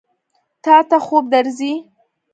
تا ته خوب درځي؟